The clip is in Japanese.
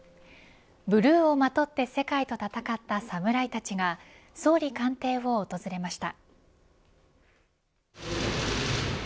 ブルーをまとって世界と戦った侍たちが総理官邸を訪れました。